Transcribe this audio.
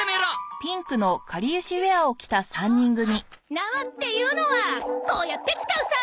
縄っていうのはこうやって使うさね。